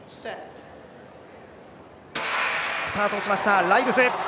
スタートしました、ライルズ。